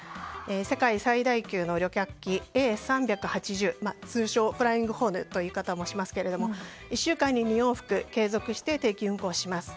世界最大級の旅客機Ａ３８０通称「フライングホヌ」という言い方もしますが１週間に２回往復して継続して定期運航します。